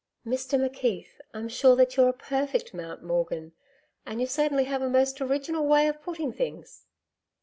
'Mr McKeith, I'm sure that you're a perfect Mount Morgan, and you certainly have a most original way of putting things.